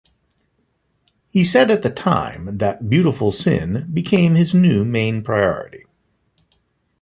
He said at the time that Beautiful Sin became his new main priority.